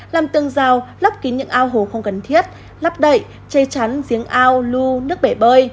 làm tường rào lắp kín những ao hồ không cần thiết lắp đậy chê chắn giếng ao lưu nước bể bơi